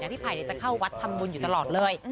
พี่ไผ่จะเข้าวัดทำบุญอยู่ตลอดเลย